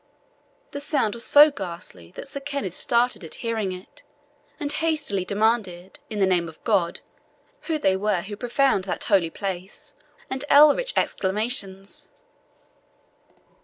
The sound was so ghastly that Sir Kenneth started at hearing it, and hastily demanded, in the name of God, who they were who profaned that holy place with such antic gestures and elritch exclamations.